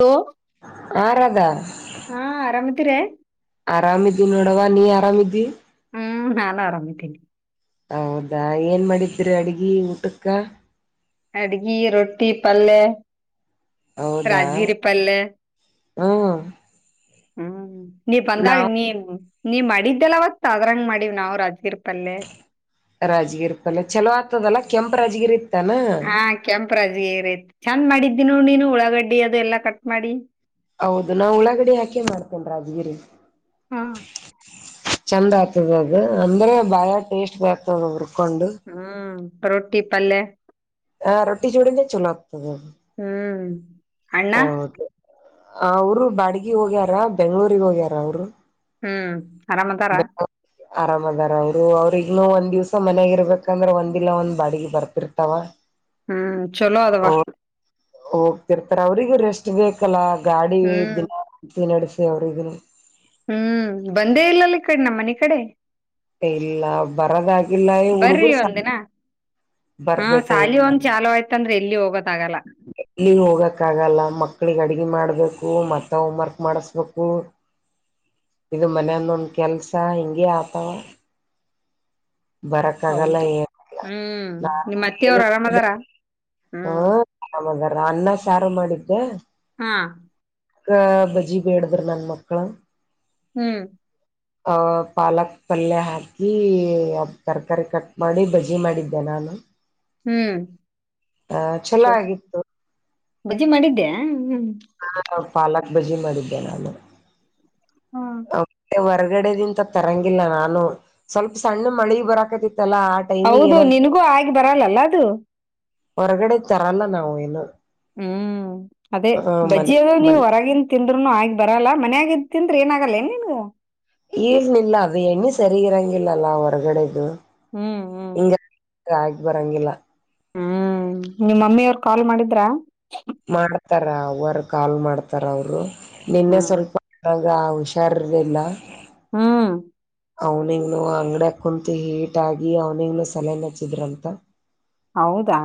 Low ಹಾ ರಾಧಾ ಹಾ ಆರಾಮಿದಿರೆ. ಆರಾಮಿದಿವ್ ನೋಡವ್ವ ನೀ ಆರಾಮಿದ್ದಿ. ಹ್ಮ್ ನಾನು ಆರಾಮಿದ್ದೀನಿ. ಹೌದಾ ಏನ್ ಮಾಡಿದ್ರಿ ಅಡ್ಗಿ ಊಟಕ್ಕ ಅಡ್ಗಿ ರೊಟ್ಟಿ ಪಲ್ಲೆ ಹೌದಾ ರಾಜ್ಗಿರಿ ಪಲ್ಲೆ ಹ್ಮ ಹ್ಮ್ ನೀ ಬಂದಾಗ ನಾವ್ ನೀನ್ ನೀ ಮಾಡಿದ್ದಲ್ಲವತ್ತ ಅದ್ರಂಗ್ ಮಾಡೀವ್ ನಾವು ರಾಜ್ಗೀರ್ ಪಲ್ಲೆ. ರಾಜ್ಗಿರ್ ಪಲ್ಲೆ ಚಲೋ ಆತದಲ್ಲ ಕೆಂಪ್ ರಾಜ್ಗಿರಿ ಹಾ ಕೆಂಪು ರಾಜ್ಗಿರಿ ಚಂದ್ ಮಾಡಿದ್ದಿ ನೋಡ್ ನೀನು ಉಳ್ಳಾಗಡ್ಡಿ ಅದು ಎಲ್ಲಾ ಕಟ್ ಮಾಡಿ. ಹೌದು ನಾ ಉಳ್ಳಾಗಡ್ಡಿ ಹಾಕಿನ್ ಮಾಡ್ತೀನ್ ರಾಜ್ಗಿರಿ. ಹಾ ಚಂದ ಆಗ್ತದದು ಅಂದ್ರೆ ಬಾಳ ಟೇಸ್ಟ್ ಬರ್ತದ್ ಅದ್ ಹುರ್ಕೊಂಡು ಹ್ಮ್ ರೊಟ್ಟಿ ಪಲ್ಲೆ ಹ ರೊಟ್ಟಿ ಜೋಡಿನೇ ಚಲೋ ಆಗ್ತದದು. ಹ್ಮ್ ಅಣ್ಣ ಹೌದು ಅವ್ರು ಬಾಡಿಗಿ ಹೋಗ್ಯಾರ ಬೆಂಗಳೂರಿಗ್ ಹೋಗ್ಯಾರ ಅವ್ರು. ಹ್ಮ್ ಆರಾಮದಾರ ಆರಾಮ್ ಇದಾರ ಅವರು ಅವ್ರಿಗ್ನು ಒಂದ್ ದಿವ್ಸ ಮನ್ಯಾಗ ಇರ್ಬೇಕಂದ್ರೆ ಒಂದಿಲ್ಲ ಒಂದ್ ಬಾಡಿಗೆ ಬರ್ತಿರ್ತಾವ. ಹ್ಮ್ ಚಲೋ ಅದವ ಹೋಗ್ತಿರ್ತಾರೆ ಅವ್ರಿಗೂ ರೆಸ್ಟ್ ಬೇಕಲ್ಲ ಗಾಡಿ ಹ್ಮ್ ದಿನ್ ತಿ ನಡೆಸಿ ಅವ್ರಿಗುನು ಹ್ಮ್ ಬಂದೇ ಇಲ್ಲಲ್ಲ ಈ ಕಡ್ ನಮ್ಮ್ ಮನಿ ಕಡೆ. ಇಲ್ಲ ಬರೋದಾಗಿಲ್ಲ ಈ ಹುಡುಗರು ಸ ಹ್ಮ್ ಬರ್ಬೇಕ ಶಾಲಿ ಒಂದ್ ಚಾಲು ಆಯ್ತಂದ್ರೆ ಎಲ್ಲಿ ಹೋಗೋದಾಗಲ್ಲ. ಎಲ್ಲಿ ಹೋಗಕ್ಕ ಆಗಲ್ಲ ಮಕ್ಳಿಗೆ ಅಡಗೆ ಮಾಡ್ಬೇಕು ಮತ್ತ ಹೋಮ್ ವರ್ಕ್ ಮಾಡಿಸ್ಬೇಕು. [inaudible] ಇದು ಮನೆದೊಂದ ಕೆಲ್ಸ ಹಿಂಗೆ ಆತಾವ. ಆಗಲ್ಲ ಹೌದು ಏನಿಲ್ಲ ಹ್ಮ್ ನಾ ನಿಮ್ಮತ್ತೆ ಅವ್ರ್ ಆರಾಮ್ ಅದಾರ. ಹ್ಮ ಆರಾಮದಾರ ಅನ್ನ ಸಾರು ಮಾಡಿದ್ದೆ ಹಾ ಬಜ್ಜಿ ಬೇಡುದ್ರು ನನ್ ಮಕ್ಳು. ಹ್ಮ್ ಆ ಪಾಲಕ್ ಪಲ್ಯ ಹಾಕಿ ಅದು ತರಕಾರಿ ಕಟ್ ಮಾಡಿ ಬಜಿ ಮಾಡಿದ್ದೆ ನಾನು ಹ್ಮ್ ಆ ಚಲೋ ಜೋ ಆಗಿತ್ತು. ಬಜ್ಜಿ ಮಾಡಿದ್ದ್ಯಾ ಹ್ಮ್ ಹ್ ಹ ನಾವ್ ಪಾಲಾಕ್ ಬಜ್ಜಿ ಮಾಡಿದ್ದೆ ನಾನು ಹಾ ಹೊರ್ಗಡೆದಿಂದ ತರಂಗಿಲ್ಲ ನಾನು ಸ್ವಲ್ಪ ಸಣ್ಣು ಮಳಿ ಬರಾಕತಿತ್ತಲ್ಲಾ ಆ ಟೈಮಿಗೆ ಹೌದು ಏನಾರ ನಿನಗೂ ಆಗಿ ಬರಲ್ಲಲ್ಲ ಅದು. ಹೊರಗಡೆ ತರಲ್ಲ ನಾವು ಏನು. ಹ್ಮ್ ಅದೇ ಹ ಮನೆ ಬಜ್ಜಿಯ ಅದು ನೀವ್ ಮನೆ ಹೊರಗಿಂ ತಿಂದ್ರುನು ಆಗಿ ಬರಲ್ಲ ಮನ್ ಆಗಿದ್ದ ತಿಂದ್ರೆ ಏನಾಗಲ್ಲ ಎನ್ ನಿನ್ಗ. ಎನಿಲ್ಲ ಅದು ಎಣ್ಣೆ ಸರಿ ಇರಂಗಿಲ್ಲ ಅಲ್ಲ ಹೊರಗಡೆದು. ಹ್ಮ್ ಹ್ಮ್ ಹಿಂಗ ಆಗ್ ಬರಂಗಿಲ್ಲ. ಹ್ಮ್ ನಿಮ್ಮ ಮಮ್ಮಿಯವ್ರು ಕಾಲ್ ಮಾಡಿದ್ರ. ಮಾಡ್ತಾರ ಅವ್ವರ್ ಕಾಲ್ ಮಾಡ್ತಾರ ಅವರು ನಿನ್ನೆ ಹ್ಮ್ ಸ್ವಲ್ಪ [unintelligible] ಗ ಹುಷಾರಿಲ್ಲ. ಹ್ಮ್ ಅವ್ನಿಂಗ್ನು ಅಂಗಡ್ಯಗ್ ಕುಂತಿ ಹೀಟ್ ಆಗಿ ಅವ್ನಿಗ್ನು ಸಲೈನ್ ಹಚ್ಚಿದ್ರಂತ. ಹೌದಾ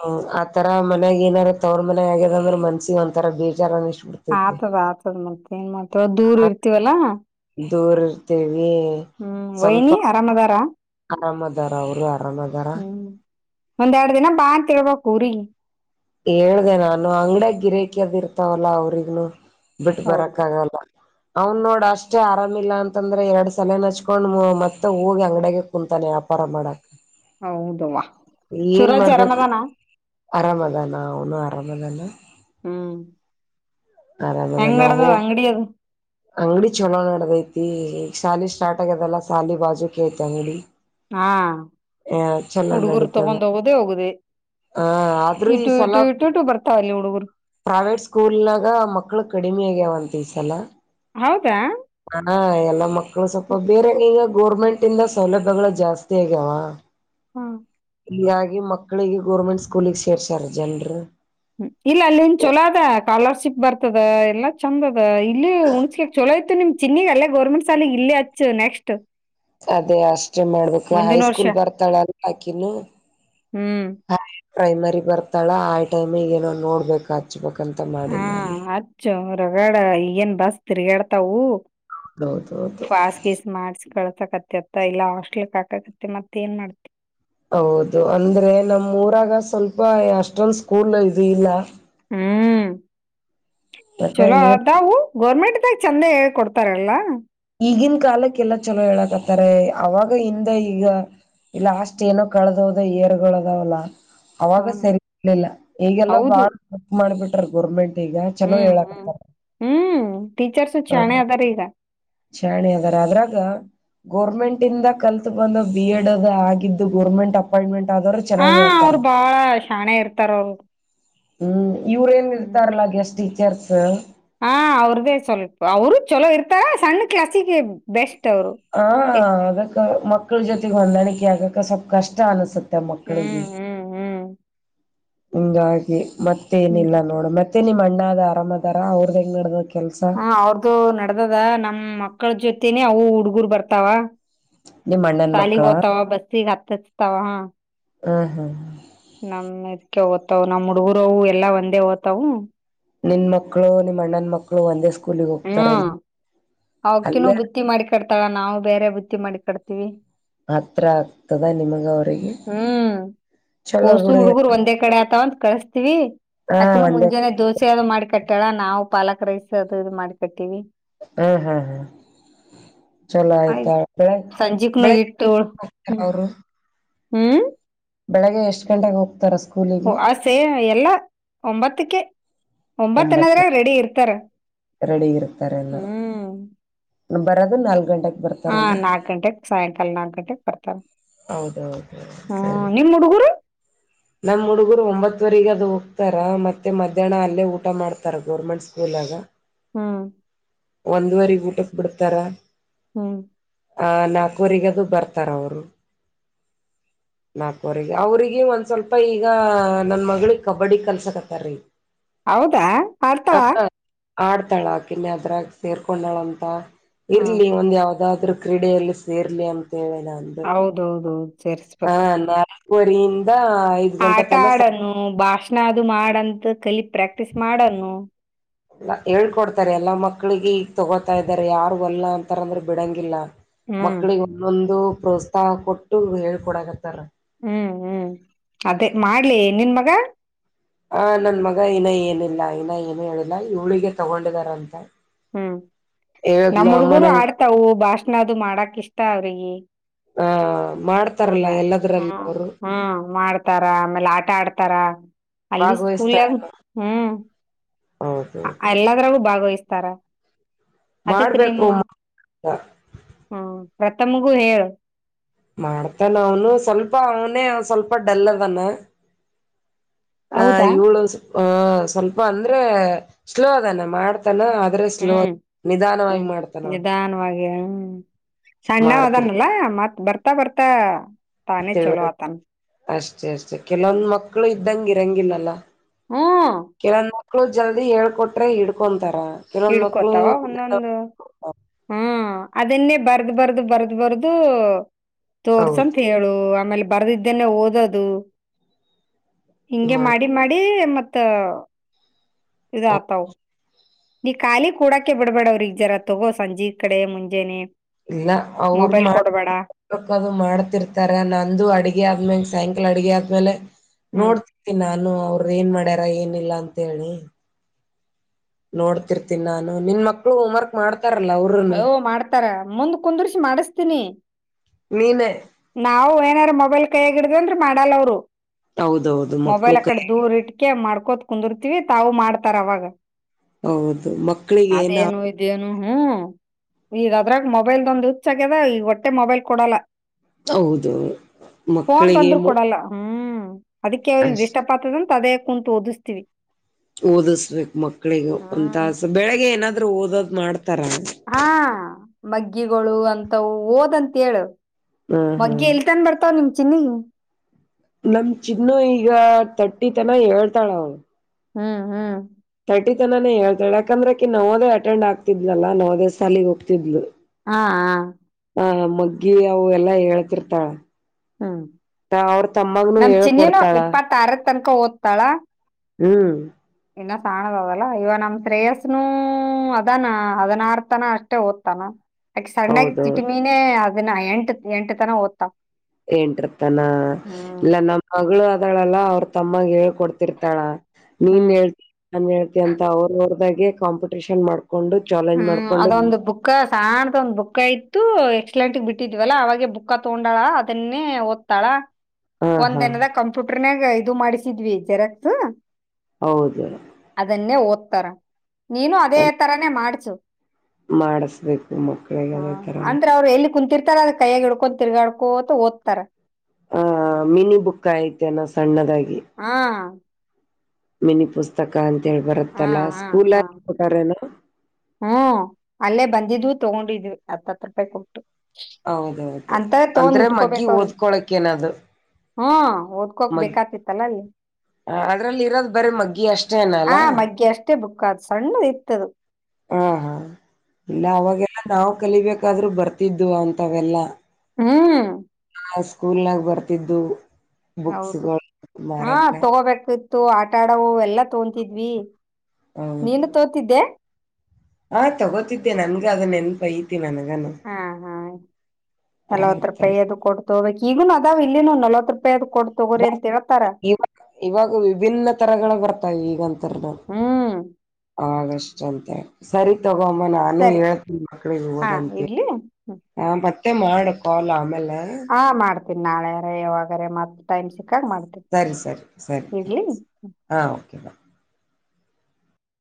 ಹ್ಮ ಆತರ ಮನ್ಯಾಗ ಏನಾರ ತವ್ರು ಮನೆಯ ಆಗ್ಯದ ಆಗದಂದ್ರೆ ಮನ್ಸಿಗ ಒಂತರ ಬೇಜಾರ ಇಸ್ಬಬಿಡ್ತ್ ಆತದ್ ಆತದ್ ಮಾತ್ ಏನ್ ಮಾಡ್ತಯವ ದೂರ್ ಇರ್ತಿವಲ್ಲಾ. ದೂರ್ ಇರ್ತೀವೀ. ಹ್ಮ್ ಸ್ವಲ್ಪ ವೈನಿ ಆರಾಮದಾರ ಆರಾಮದಾರ ಅವರು ಆರಾಮದಾರ. ಒಂದೇರಡ್ ದಿನ ಬಾ ಅಂತ ಹೇಳ್ಬೇಕು ಊರಿಗೆ. ಹೇಳ್ದ ನಾನು ಅಂಗ್ಡಿಯ ಗಿರಕಿ ಅದ್ ಇರ್ತಾವಲ್ಲ ಅವ್ರಿಗುನು ಬಿಟ್ಟ ಹೌದು ಬರಕ್ ಆಗಲ್ಲ. ಅವನ್ ನೋಡ್ ಅಷ್ಟೇ ಆರಾಮಿಲ್ಲ ಅಂತಂದ್ರೆ ಎರಡ್ ಸೆಲೇನ್ ಹಚ್ಕೊಂಡ್ ಮತ್ತೆ ಹೋಗಿ ಅಂಗಡೆಗೆ ಕುಂತಾನೆ ವ್ಯಾಪಾರ ಮಾಡ ಹೌದವ್ವ ಏನ್ ಸುರಾಜ್ ಮಾಡ್ಬೇಕು ಅರಮದಾನ. ಆರಾಮದಾನ ಅವನು ಆರಾಮದಾನ. ಹ್ಮ ಹೆಂಗ್ ಆರಾಮದಾನ ನೆಡದದ ಹೋಗ್ ಅಂಗಡಿ ಅದು. ಅಂಗಡಿ ಚಲೋ ನಡದೈತಿ, ಈಗ ಶಾಲಿ ಸ್ಟಾರ್ಟ್ ಆಗ್ಯದಲ್ಲ ಶಾಲಿ ಬಾಜುಕಿ ಐತಿ ಅಂಗಡಿ. ಹಾ ಆ ಚಲೋ ಹುಡುಗರು ನಡೀತದ ತಗೊಂಡ ಹೋಗುದೇ ಹೋಗುದೆ. ಆ ಆದ್ರೂ ಈ ಇಟು ಸಲ ಇಟು ಇಟ್ಟು ಇಟ್ಟು ಬರ್ತಾವಲ್ಲಿ ಹುಡುಗರು. ಪ್ರೈವೇಟ್ ಸ್ಕೂಲ್ನಾಗ ಮಕ್ಳು ಕಡಿಮೆ ಆಗ್ಯಾವಂತ ಈಸಲ. ಹೌದಾ ಹ ಎಲ್ಲ ಮಕ್ಳು ಸ್ವಲ್ಪ ಬೇರೆ ಈಗ ಗೋರ್ಮೆಂಟ್ ಇಂದ ಸೌಲಭ್ಯಗಳು ಜಾಸ್ತಿ ಆಗ್ಯಾವ. ಹ್ಮ ಇಲ್ಲಿಯಾಗಿ ಮಕ್ಕಳಿಗೆ ಗೋರ್ಮೆಂಟ್ ಸ್ಕೂಲಿಗೆ ಸೇರ್ಸಾರ ಜನ್ರು. ಹ್ಮ ಇಲ್ಲ ಅಲ್ಲಿನ ಚೊಲೋ ಅದ ಸ್ಕಾಲರ್ಶಿಪ್ ಬರ್ತದ ಎಲ್ಲ ಚಂದದ ಇಲ್ಲಿ ಹುಣಸಗಿ ಚಲೋ ಇತ್ತು ನಿಮ್ ಚಿನ್ನಿಗ ಅಲ್ಲೇ ಗೋರ್ಮೆಂಟ್ ಸಾಲಗ್ ಇಲ್ಲೇ ಹಚ್ಚು ನೆಕ್ಸ್ಟ್. ಅದೇ ಅಷ್ಟೇ ಮಾಡ್ಬೇಕು ಹೈ ಮುಂದಿನ ವರ್ಷ ಸ್ಕೂಲ್ ಬರ್ತಾಳಲ್ಲ ಅಕಿನು. ಹ್ಮ್ ಪ್ರೈಮರಿ ಬರ್ತಾಳ ಆ ಟೈಮ ಏನೋ ನೋಡ್ಬೇಕ ಆ [unintelligible] ಕ್ಕಂತ ಹಾ ಹಚ್ಚು ರಗಡ ಈಗ ಏನು ಬಸ್ ತಿರುಗಾಡ್ತವು. ಹೌದ ಹೌದು ಫಾಸ್ ಗೀಸ್ ಮಾಡ್ಸಿ ಕಳತಕತ್ತತ್ತ ಇಲ್ಲಾ ಹಾಸ್ಟಲ್ಗ ಹಾಕಕತ್ತೆ ಮತ್ತ ಏನ್ ಮಾಡ್ತಿ. ಹೌದು ಅಂದ್ರೆ ನಮ್ಮ ಊರಾಗ ಸ್ವಲ್ಪ ಅಷ್ಟೊಂದ ಸ್ಕೂಲು ಇದು ಇಲ್ಲ. ಹ್ಮ್ ಯಾಕ ಚಲೋ ಏ ಆದವು. ಗೋರ್ಮೆಂಟ ದಾಗ ಚಂದ ಹೆಳಿ ಕೊಡ್ತಾರ ಎಲ್ಲಾ. ಈಗಿನ ಕಾಲಕ್ಕೆಲ್ಲ ಚಲೋ ಹೇಳಕತ್ತಾರೆ ಅವಾಗ ಹಿಂದ ಈಗ ಲಾಷ್ಟ ಏನೋ ಕಳದ ಹೋದ ಇಯರಗೋಳು ಅದಾವ ಅಲಾ ಹಾ ಅವಾಗ ಸರಿ ಇರ್ಲಿಲ್ಲ ಈಗೆಲ್ಲ ಹೌದು ಬಾಳ ವರ್ಕ್ ಮಾಡ್ಬಿಟ್ರ ಗೋರ್ಮೆಂಟ್. ಈಗ ಚಲೋ ಹ್ಮ್ ಹ್ಮ್ ಹೇಳಕತ್ತಾರ ಹ್ಮ್ ಟೀಚರ್ಸು ಹ ಶಾಣೆ ಅದಾರ ಈಗ. ಶಾಣೆ ಅದಾರ ಅದ್ರಾಗ. ಗೋರ್ಮೆಂಟ್ ಇಂದ ಕಲ್ತ ಬಂದ ಬಿ. ಎಡ್ ಅದ ಆಗಿದ್ದು ಗೋರ್ಮೆಂಟ್ ಅಪಾಯಿಂಟ್ಮೆಂಟ್ ಆದವ್ರ. ಹ ಅವ್ರು ಬಾಳ ಶಾಣೆ ಇರ್ತಾರ ಅವರು. ಹ್ಮ್ ಇವ್ರ ಏನ ಇರ್ತಾರಲ್ಲ ಗೆಸ್ಟ ಟೀಚರ್ಸ್. ಹಾ ಅವ್ರದೆ ಸ್ವಲ್ಪ್ಅವರು ಚಲೋ ಇರ್ತ ಸಣ್ಣ ಕ್ಲಾಸಿಗೆ ಬೆಸ್ಟ್ ಅವ್ರು. ಹಾ ಅದಕ್ಕ ಮಕ್ಕಳ ಜೊತೆಗೆ ಹೊಂದಾಣಿಕೆ ಆಗಕ ಸ್ವಲ್ಪ ಕಷ್ಟ ಅನಸುತ್ತೆ. ಹ್ಮ್ ನಮ್ಮಮಕ್ಕಳಿಗೆ ಹ್ಮ್ ಹ್ಮ್ ಹಂಗಾಗಿ ಮತ್ತೆ ಹ್ಮ್ ಏನಿಲ್ಲ ನೋಡ ಮತ್ತೆ. ನಿಮ್ಮ ಅಣ್ಣ ಆರಾಮ್ದಾರ ಅವ್ರದಂಗ ನಡದೈತಿ ಹ ಅವ್ರದುು ನಡ್ದದ ನಮ್ ಮಕ್ಕಳ ಜೊತೆನೆೇ ಅವು ಹುಡ್ಗರ್ ಬರ್ತಾವ ನಿಮ್ ಅಣ್ಣನ್ ಸಾಲಿಗ್ ಮಕ್ಳ ಹೋಗತಾವ ಬಸ್ಸಿಗೆ ಹತ್ತಸ್ತಾವ ಹ ಹಾ ಹಾ ನಮ್ ಇದಕೇ ಹೋಯ್ತವು ನಮ್ ಹುಡುಗರವು ಎಲ್ಲಾ ಒಂದೇ ಓ್ತವು ನಿನ್ ಮಕ್ಳು ನಿಮ್ಮ ಅಣ್ಣನ ಮಕ್ಕಳು ಒಂದೇ ಸ್ಕೂಲಿಗೆ ಹೋಗ್ತಾರೆನ್ ಅವಕ್ಕಿನೂ ಬುತ್ತಿ ಮಾಡಿ ಕಡ್ತಾಳ ನಾವು ಬೇರೆ ಬುತ್ತಿ ಮಾಡಿ ಕಡ್ತೀವಿ ಹತ್ರ ಆಗ್ತದ ನಿಮಗೆ ಅವರಿಗೆ ಹ್ಮ್ ಓಸು ಹುಡುಗರು ಒಂದೇ ಕಡೆ ಆತವ ಅಂತ ಕಳಸ್ತೀವಿ ಹಾ ಆಕಿನು ಒಂದೇ ಮುಂಜಾನೆ ದೋಸೆದು ಮಾಡಿ ಕಟ್ಟ ಇಡ ನಾವು ಪಾಲಕ್ ರೈಸ್ ಅದು ಇದು ಮಾಡಿ ಕಟ್ಟೀವಿ ಹ್ಮ್ ಹ್ಮ್ ಹ್ಮ್ ಚಲೋ ಆಯ್ತಾ ಆಯ್ತ್ ಬೆ ಸಂಜಿಕ್ನು ಬೆ ಇಟ್ಟು [unintelligible] ಹ್ಮ್ ಅವರು ಹ್ಮ್ ಬೆಳಗ್ ಎಷ್ಟ ಗಂಟೆಗೆ ಹೋಗ್ತಾರ ಸ್ಕೂಲಿಗೆ ಆ ಸೇ ಎಲ್ಲ ಒಂಬತ್ತಕ್ಕೆ ಒಂಬತ್ತ ಒಂಬತ್ತು ಅನದ್ರಾಗ ರೆಡಿ ಇರ್ತಾರ ರೆಡಿ ಇರ್ತಾರೆನ್ನು ಹ್ಮ್ ಬರೊದು ನಾಲ್ಕ ಗಂಟೆಗೆ ಹಾ ಬರ್ತಾರಲ್ಲ ನಾಲ್ಕ್ ಗಂಟೆಗೆ ಸಾಯಂಕಾಲ ನಾಕ್ ಗಂಟೆಗೆ ಬರ್ತಾರ ಅ ಹ್ಮ್ ಸರಿ ನಿಮ್ ಹುಡುಗರು ನಮ್ ಹುಡುಗರು ಒಂಬತ್ತವರೆಗ ಅದು ಹೋಗ್ತಾರ ಮತ್ತೆ ಮಧ್ಯಾಹ್ನ ಅಲ್ಲೇ ಊಟ ಮಾಡ್ತಾರ ಗೋರ್ಮೆಂಟ್ ಸ್ಕೂಲ್ಗ ಹ್ಮ್ ಒಂದುವರೆಗ ಊಟಕ್ ಬಿಡ್ತಾರ ಹ್ಮ ಆ ನಾಲ್ಕೂರಿಗದು ಬರ್ತಾರ ಅವರು ನಾಲ್ಕವರೆಗೆ ಅವ್ರಿಗೆ ಒಂದ್ ಸ್ವಲ್ಪ ಈಗ ನನ್ ಮಗಳಿಗೆ ಕಬಡ್ಡಿ ಕಲ್ಸಕತ್ತಾರೀಗ ಹೌದಾ ಮಾಡತಾವಾ ಆಡ್ತಾಳ ಆಕಿನ್ನೆ ಅದ್ರಾಗ ಸೇರ್ಕೊಂಡಳ ಅಂತ ಹ್ಮ್ ಇರ್ಲಿ ಒಂದ ಯಾವ್ದ ಯಾದಾದ್ರೂ ಕ್ರೀಡೆಯಲ್ಲಿ ಸೇರ್ಲಿ ಅಂತ ಹೇಳಿ ನಾನು ಹೌದೌದೌದು ಹ ಸೇರಿಸ್ಬೇಕು ನಾಲ್ಕುರಿಯಿಂದಐದು ಆಟ ಆಡನು ಭಾಷಣ ಅದು ಮಾಡಂತ ಕಲಿ ಪ್ರಾಕ್ಟೀಸ್ ಮಾಡನು ಹೇಳ್ಕೊಡ್ತಾರೆ ಎಲ್ಲ ಮಕ್ಕಳಿಗೆ ಈಗ ತಗೋತಾ ಇದಾರೆ ಯಾರು ಒಲ್ಲ ಅಂತಾರಂದ್ರೆ ಬಿಡಂಗಿಲ್ಲ ಹ್ಮ್ ಮಕ್ಳಿಗೆ ಒಂದೊಂದು ಪ್ರೋತ್ಸಾಹ ಕೊಟ್ಟು ಹೇಳ್ಕೊಡಕತ್ತಾರ ಹ್ಮ್ ಹ್ಮ್ ಅದೇ ಮಾಡ್ಲಿ ನಿನ್ ಮಗ ಆ ನನ್ ಮಗ ಇನ್ನ ಏನಿಲ್ಲ ಇನ್ನ ಏನು ಹೇಳಿಲ್ಲ ಇವಳಿಗೆ ತಗೊಂಡಿದಾರಂತೇ. ಹು. ನಮ್ಮ ಹುಡ್ಗರು ನಂಗ ಹಾಡ್ತಾವು ಭಾಷಣಾ ಅದು ಮಾಡಕ್ ಇಷ್ಟ ಅವ್ರಿಗೆ. ಆ ಹಾ ಮಾಡ್ತಾರಲ್ಲ ಮ್ಯಾ ಹು ಎಲ್ಲದ್ರಲ್ಲಿ ಅವರು ಹು ಮಾಡ್. ತಾರಾ ಆಮೇಲೆ ಆಟ ಆಡ್ತಾರಾ ಅಲ್ಲಿ ಸ್ಕೂಲ್ನ್ಯಾಗು ಭಾಗವಹಿಸ್ತಾರಲ್ಲ ಹು. ಹೌದೌದು ಎಲ್ಲದರಗು ಭಾಗವಹಿಸ್ತಾರ ಅದಕ್ ಮಾಡ್ಬೇಕು ನಿಮ್ಮ. ಹು ಪ್ರಥಮಗೂ ಹೇಳು. ಮಾಡ್ತಾನ ಅವನು ಸ್ವಲ್ಪ ಅವನೇ ಸ್ವಲ್ಪ ಡಲ್ಲದಾನ. ಆ ಹೌದಾ ಇವಳು ಹು ಸ್ವಲ್ಪ ಅಂದ್ರೆ ಸ್ಲೋ ಅದಾನೆ ಮಾಡ್ತ. ತಾನ ಆದ್ರೆ ಸ್ಲೋ ಹ್ಮ್ ನಿಧಾನವಾಗಿ ಹ್ಮ್ ಮಾಡ್ತಾನವಾ. ಸಣ್ಣವ ಅದನಲ್ಲಾ ಮತ್ ಬರ್ತಾ ಬರ್ತಾ ತಾನೇ ಚಲೋ ತಿಳ್ವಳಿಕೆ ಅಕ್ಕಾನ. ಅಷ್ಟೇ ಅಷ್ಟೇ ಕೆಲವೊಂದ ಮಕ್ಕಳು ಇದ್ದಂಗ ಇರಂಗಿಲ್ಲಲ್ಲ ಹ್ಮ್ ಕಿರಣಾ. ಮಕ್ಳು ಜಲ್ದಿ ಹೇಳ್ಕೊಟ್ರೆ ಹೀಡ್ಕೊಂತಾರಾ ಕೆಲವೊಂದ್ ಮಕ್ಳು ಹುಟ್ಟಿರ್ತಾವ್. ಹು ಅದನ್ನೇ ಬರ್ದ್ ಬರ್ದ್ ಬರ್ದ್ ಬರ್ದು ತೋರ್ಸಂತ ಹೌದು ಹೇಳ. ದು ಆಮೇಲೆ ಬರ್ದದ್ದನ್ನೇ ಓದೋದು ಹಿಂಗೆ ಮಾಡ ಮಾಡಿ. ಮಾಡಿ ಮತ್ತ ಇದ ಅಕ್ಕಾವ. ನೀ ಖಾಲಿ ಕೂಡಕೆ ಬಿಡ್ಬೇಡವ್ರಿಗ ಜರಾ ತಗೋ ಸಂಜೆ ಕಡೆ ಮುಂಜೇನೆ. ಇಲ್ಲ ಅವರು ಮಾಡ ಹೋಮ್ ವರ್ಕ್ ಅದು ಮಾಡ್ತಿತಿರ್ತಾರಾ ನಂದು ಅಡಗೆ ಆದ್ಮೇಲೆ ಸಾಯಂಕಾಲ ಅಡಗೆ ಆದ್ಮೇಲೆ ಹ್ಮ್ ನೋಡ್. ತ್ತಿನಿ ನಾನು ಅವ್ರ ಏನ್ ಮಾಡ್ಯಾರ ಏನಿಲ್ಲ ಅಂತ ಹೇಳಿ. ನೋಡ್ತಿರ್ತೀನಿ ನಾನು ನಿನ್ ಮಕ್ಳು ಹೋಮ್ ವರ್ಕ್. ಮಾಡ್ತಾರಿಲ್ಲ ಅವರು. ಅಓ ಮಾಡ್ತಾರಾ ಮುಂದ್ ಕುಂದರ್ಸಿ ಮಾಡಿಸಸ್ತೀನಿ. ನಿನ. ನಾವು ಏನಾರ ಮೊಬೈಲ್ ಕೈ ಹಿಡದ್ವಿ ಅಂದ್ರ ಮಾಡಲ್ಲ ಅವರು ಹೌದೌದು ಮೊಬೈಲ್ ಮಕ್ಕಳು ಆ ಕೈ ಕಡೆ. ದೂರ್ ಇಟ್ಕೆ ಮಾಡ್ಕೋತ್ ಕುಂದಿರ್ತಿವಿ ತಾವು ಮಾಡ್ತಾರ ಅವಾಗ. ಹೌದು ಮಕ್ಳಿಗೆ ಏನ. ಏನು ಹು ಈಗ ಅದ್ರಾಗ ಮೊಬೈಲ್ ಬಂದು ಹುಚ್ಚ ಆಗ್ಯದ ಈಗ ಒಟ್ಟೆ ಮೊಬೈಲ್ ಕೊಡಲ್ಲ. ಹೌದು. ಫೋನ್ ಮಕ್ಕಳಿಗೆ ಬಂದ್ರು ಕೊಡಲ್ಲ ಹು ಅದಕ್ಕೆ ಅಸ್ ಡಿಸ್ಟಾಫ್ ಆತದಂತ ಅದೇ ಕುಂತು ಓದಸ್ತಿವಿ. ಓದಸ್ಬೇಕು ಮಕ್ಳಿಗೆ ಹ್ಮ್ ಒಂದ್ತಾಸು ಬೆಳಿಗೆ ಏನಾದ್ರು ಓದೋದ್ ಮಾಡ್ತಾರಾ. ಹಾ ಮಗ್ಗಿಗಳು ಅಂತವು ಓದಂತ ಹೇಳು. ಹ್ಮ್ ಮಗ್ಗಿ ಹ್ಮ್ ಎಲ್ತನ್ ಬರ್ತಾವ್ ನಿಮ್ ಚಿನ್ನಿಗೆ. ನಮ್ಮ ಚಿನ್ನು ಈಗ ತಟ್ಟಿ ತನಾ ಹೇಳ್ತಾಳ ಅವ್ಳು. ಹು ಹು. ತರ್ಟಿ ತನಾನು ಹೇಳತಾಳ ಯಾಕಂದ್ರ ಅಕಿ ನವೋದೇ ಅಟೆಂಡ್ ಆಗ್ತಿದ್ಲಲ್ಲ ನೋವದೇ ಸಾಲಿಗೆ ಹೋಗ್ತಿದ್ಲು. ಹಾ ಆ. ಹಾ ಮಗ್ಗಿ ಅವ ಎಲ್ಲಾ ಹೇಳ್ತಿರ್ತಾಳ. ಹ್ಮ್ ಅವ್ರ ತಮ್ಮಗನು ಹೇಳ ಕೊಡ್ತಾಳ. ತನಕಾ ಓದ್ತಾಳಾ. ಹು. ಇನ್ನ ಸಾಣದದಲ್ಲ ಇವ ನಮ್ಮ ಶ್ರೇಯಸ್ನು ನು ಅದಾನ ಹದನಾರತನ ಅಷ್ಟೇ ಓದ್ತಾನ. ಅಕ ಸಣ್ಣಾಕಿ ಹೌದೌದು ಚಿಟಮೀನೆ ಅದನ್ನ ಎಂಟ ಎಂಟು ತನ ಓದ್ತತ್ತಾಳ. ಏಂಟಿರ್ತಾನ ಇಲ್ಲ ನಮ್ಮ್ ಮಗಳು ಅದಳಲ್ಲ ಅವ್ರ ತಮ್ಮಾಗ ಹೆಳ್. ಕೊಡ್ತಿರ್ತಾಳ ನೀನ್ ಹ್ಮ್ ಹೇಳ್ತಿ ನಾನನ್ ಹೇಳ್ತಿ ಅಂತ ಅವ್ರವ ದೆ ಕಾಂಪಿಟೇಷನ್ ಮಾಡ್ಕೊಂಡು ಚಾಲೆಂಜ್ ಹ್ಮ್ ಮಾಡ್ಕೊಂಡು ಅದೊಂದು ಬುಕ್ಕ ಸಾಣ್ಣದ ಒಂದ್ ಬುಕ್ಕ ಇತ್ತು ಎಕ್ಸಲೆಂಟ್ಗ್ ಬಿಟ್ಟಿದ್ವಲ್ಲ ಅವಾಗೆ ಬುಕ್ಕ ತಗೊಂಡಳ ಅದನ್ನೇ ತಳ ಹಾ ಒಂದ್ ಹಾ ದಿನದಾಗ ಕಂಪ್ಯೂಟರ್ನಾಗ ಇದು ಮಾಡಿಸಿದ್ವಿ ಜೆರಾಕ್ಸ್ ಹೌದು ಅದನ್ನೇ ಓದ್ತಾರ ನೀನು ಅದೇ ತರಾನೇ ಮಾಡ್ಸು ಮಾಡಿಸಬೇಕು ಮಕ್ಳಿಗೆ ಹಾ ಅದೇ ತರ ಅಂದ್ರ ಅವ್ರು ಎಲ್ಲಿ ಕುಂತಿರ್ತಾರದ್ರ ಕೈಯಾಗಿ ಹ ಇಡ್ಕೊಂಡು ತಿರ್ಗಾಡ್ಕೋತ ಓದ್ತಾರ ಆಹ ಮಿನಿ ಬುಕ್ ಐತೆನಾ ಸಣ್ಣದಾಗಿ ಹಾ ಮಿನಿ ಪುಸ್ತಕ ಅಂತೇಳಿ ಹಾ ಬರತ್ತಲ್ಲಾ ಹಾ ಸ್ಕೂಲ್ ಹಾ ಕೊಟಾರೇನು ಹ್ಮ್ ಅಲ್ಲೇ ಬಂದಿದ್ವು ತಗೊಂಡಿದ್ವಿ ಹತ್ತತ್ ರೂಪಾಯಿ ಕೊಟ್ಟು ಹೌದೌದು ಅಂತವೇ ತಗೊಂಡ್ ಅಂದ್ರೆ ಮಗ್ಗಿ ಓದ್ಕೊಳಕ ಏನದು ಹ್ಮದ ೋಗ್ಬೇಕತಿತ್ತಲ್ಲ ಅಲ್ಲಿ ಅದ್ರಲ್ಲಿ ಇರೋದ್ ಬರೀ ಮಗ್ಗಿ ಅಷ್ಟೇನ ಆ ಅಲ್ಲ ಬಗ್ಗೆ ಅಷ್ಟೇ ಷ್ಟೆ ಬುಕ್ಕ ಅದ ಸಣ್ಣದ ಇತ್ತದು ಹಾ ಹಾ ಇಲ್ಲ ಹ್ಮ್ ಅವಾಗೆಲ್ಲ ನಾವವು ಕಲಿಬೇಕಾದ್ರರು ಬರ್ತಿದ್ದು ಅಂತವೆೆಲ್ಲಾ ಹ್ಮ್ ಹ್ಮ್ ಸ್ಕೂಲ್ ನಾಗ ಬರ್ತಿದ್ದು ಹೌದು ಬುಕ್ಸ್ಗಳು ಹಾ ಮಾರಕ ತಗೋಬೇಕು ಸೋ ಆಟಾಡವು ಎಲ್ಲಾ ತೋತಿದ್ವಿ ನೀನು ಹೌದು ತೋತಿದ್ದೆ ಹಾ ತಗೋತಿದ್ದೆ ನನ್ಗ ಅದನ್ನ ನೆನ್ಪ ಐತಿ ನನಗಾನ ಹಾ ಹಾ ನಲವತ್ ಆಯ್ತಾಯ್ತು ರೂಪಾಯಿದು ಕೊಡ್ ತೊ್ಬೇಕ ಈಗನು ಅದಾವ ಇಲ್ಲಿನು ನಲ್ವತ್ ರೂಪಾಯ್ ಕೊಡ್ ತಗೋರಿ ಬರ್ ಅಂತೇಳ್ತ ಇವಾಗ ಇವಾಗ ವಿಭಿನ್ನ ತರಗಳ ಬರ್ತಾವ ಈಗಂತರ್ದ ಹ್ಮ್ ಆಷ್ಟಂತೆ ಸರಿ ತಗೋಮ್ಮ ನಾನು ಸರಿ ಹೇಳ್ತೀನ ಮಕ್ಳಿಗೆ ಹಾ ಹೋದಂತ ಇಡ್ಲಿ ಹ್ಮ್. ಹ ಮತ್ತೆ ಮಾಡು ಕಾಲ್ ಆಮೇಲೆ ಹಾ ಮಾಡ್ತೀನಿ ನಾಳೆರ ಯಾವಾಗರೆ ಮತ್ತ ಟೈಮ್ ಸಿಕ್ಕಾಗ ಮಾಡ್ತೀನಿ ಸರಿ ಸರಿ ಸರಿ ಇಡ್ಲಿ. ಾಂಕ್ಸ್ ಹಾಂ ಓಕೆ ಬಾ